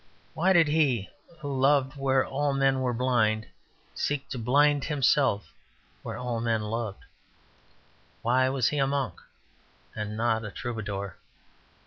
Why did he who loved where all men were blind, seek to blind himself where all men loved? Why was he a monk, and not a troubadour?